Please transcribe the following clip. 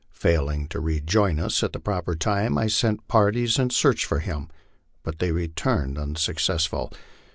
Failing to rejoin us at the proper time, I sent parties in search of him, but they returned unsuccessful.